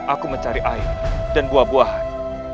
aku mencari air dan buah buahan